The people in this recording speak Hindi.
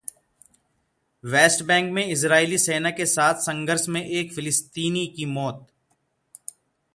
वेस्ट बैंक में इजरायली सेना के साथ संघर्ष में एक फिलिस्तीनी की मौत